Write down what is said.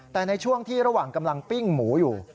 แต่ในช่วงที่ระหว่างกำลังปิ้งหมูอยู่